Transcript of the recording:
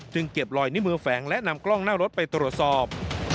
เก็บลอยนิ้วมือแฝงและนำกล้องหน้ารถไปตรวจสอบ